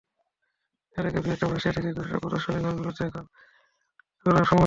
Argentina থেকে Vietnam, Russia থেকে ক্রোয়েশিয়া—প্রদর্শনী ঘরগুলোতে এখন নানা দেশের বিচিত্র শিল্পকর্মের সমাহার।